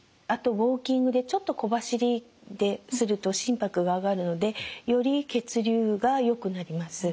ウォーキングでちょっと小走りですると心拍が上がるのでより血流がよくなります。